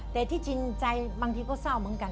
แต่ที่จริงใจบางทีก็เศร้าเหมือนกัน